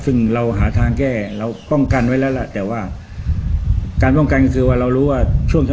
ซึ่งเราหาทางแก้เราป้องกันไว้แล้วล่ะแต่ว่าการป้องกันก็คือว่าเรารู้ว่าช่วงจะ